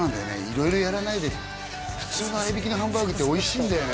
色々やらないで普通の合いびきのハンバーグっておいしいんだよね